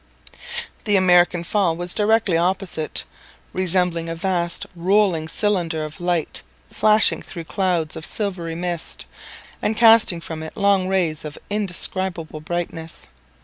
The American Fall was directly opposite, resembling a vast rolling cylinder of light flashing through clouds of silvery mist, and casting from it long rays of indescribable brightness.